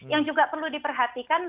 yang juga perlu diperhatikan